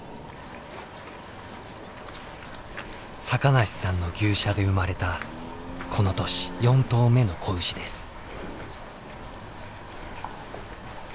坂梨さんの牛舎で生まれたこの年４頭目の子牛です。